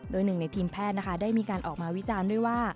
โดยหนึ่งในทีมแพทย์นะคะได้มีการออกมาวิจารณ์ด้วยว่า